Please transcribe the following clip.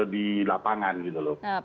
di lapangan gitu loh